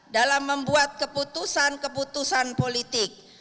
dalam membuat keputusan keputusan politik